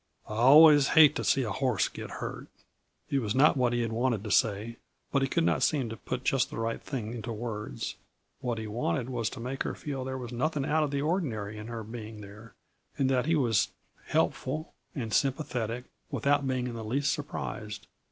"I always hate to see a horse get hurt." It was not what he had wanted to say, but he could not seem to put just the right thing into words. What he wanted was to make her feel that there was nothing out of the ordinary in her being there, and that he was helpful and sympathetic without being in the least surprised.